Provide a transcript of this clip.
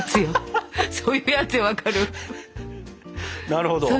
なるほど。